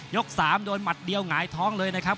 ๓โดนหมัดเดียวหงายท้องเลยนะครับ